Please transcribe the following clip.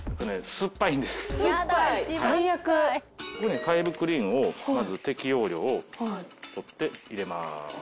ここにファイブクリーンをまず適用量こうやって入れます。